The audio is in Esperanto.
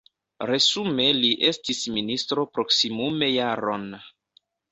Resume li estis ministro proksimume jaron.